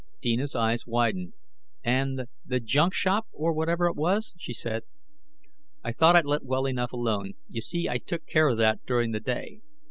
Deena's eyes widened. "And the junk shop or whatever it was?" she said. "I thought I'd let well enough alone. You see I took care of that during the day.